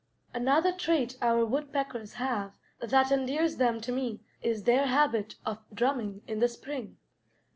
Another trait our woodpeckers have that endears them to me is their habit of drumming in the spring.